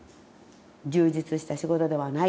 充実した仕事ではない。